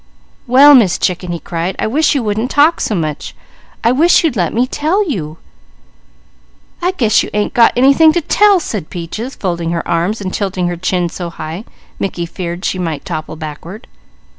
"Well Miss Chicken," he cried, "I wish you wouldn't talk so much! I wish you'd let me tell you." "I guess you ain't got anything to tell," said Peaches, folding her arms and tilting her chin so high Mickey feared she might topple backward.